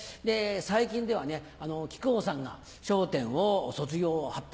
最近では木久扇さんが『笑点』を卒業を発表